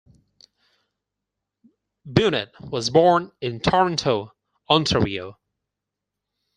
Bunnett was born in Toronto, Ontario.